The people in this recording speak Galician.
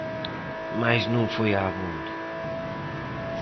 Mais non foi abondo.